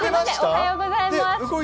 おはようございます。